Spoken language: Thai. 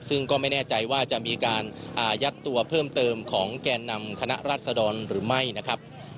ซึ่งก็ไม่แน่ใจว่าจะมีการอายัดตัวเพิ่มเติมของแก่นำคณะรัศดรหรือไม่นะครับ